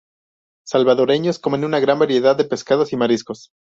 Salvadoreños comen una gran variedad de pescados y mariscos.